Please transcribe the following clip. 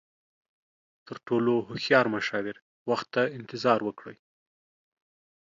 تر ټولو هوښیار مشاور، وخت ته انتظار وکړئ.